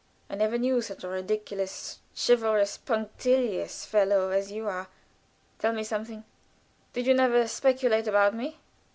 "I never knew such a ridiculous, chivalrous, punctilious fellow as you are. Tell me something did you never speculate about me?"